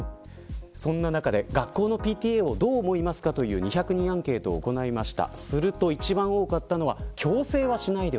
そんな中で、学校のＰＴＡをどう思いますかという２００人アンケートを行いました。